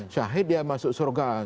syahid dia masuk surga